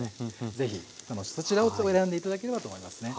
是非そちらを選んで頂ければと思いますね。